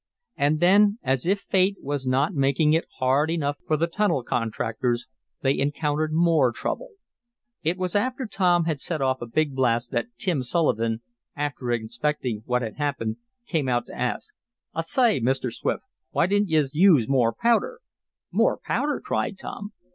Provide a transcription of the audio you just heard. And then, as if Fate was not making it hard enough for the tunnel contractors, they encountered more trouble. It was after Tom had set off a big blast that Tim Sullivan, after inspecting what had happened, came out to ask. "I soy, Mr. Swift, why didn't yez use more powder?" "More powder!" cried Tom.